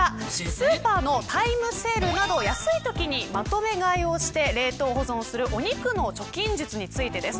スーパーのタイムセールなど安いときにまとめ買いをして冷凍保存をするお肉の貯金術についてです